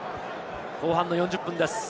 後半の４０分です。